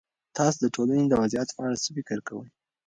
تاسو د ټولنې د وضعيت په اړه څه فکر کوئ؟